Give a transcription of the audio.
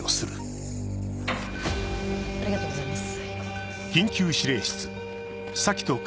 ありがとうございます。